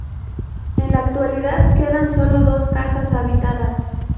En la actualidad quedan solo dos casas habitadas.